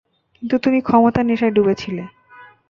কিন্তু তুমি ক্ষমতার নেশায় ডুবে ছিলে।